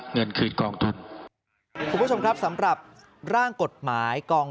เงินคืนกองทุนคุณผู้ชมครับสำหรับร่างกฎหมายกอง